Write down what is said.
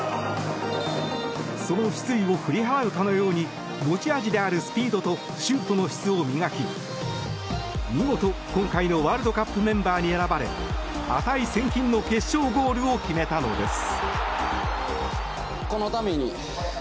その失意を振り払うかのように持ち味であるスピードとシュートの質を磨き見事、今回のワールドカップメンバーに選ばれ値千金の決勝ゴールを決めたのです。